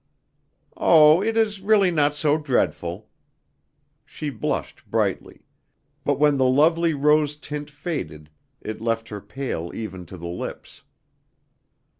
"Oh, it is really not so dreadful." She blushed brightly, but when the lovely rose tint faded it left her pale even to the lips.